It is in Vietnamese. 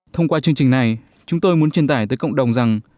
thông qua chương trình này chúng tôi muốn truyền tải tới cộng đồng rằng